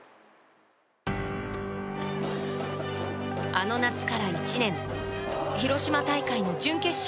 あの夏から１年広島大会の準決勝。